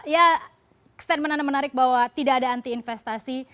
ya statement anda menarik bahwa tidak ada anti investasi